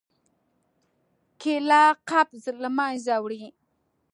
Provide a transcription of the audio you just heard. کېله قبض له منځه وړي.